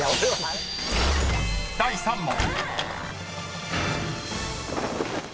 ［第３問］